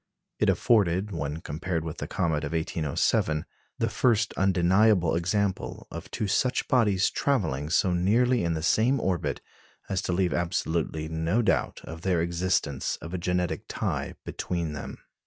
It afforded, when compared with the comet of 1807, the first undeniable example of two such bodies travelling so nearly in the same orbit as to leave absolutely no doubt of the existence of a genetic tie between them.